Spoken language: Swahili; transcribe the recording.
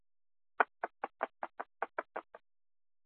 Mashindano makubwa kwa kushinda mashindano ya kombe la